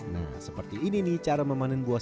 nah seperti ini nih cara memanen buah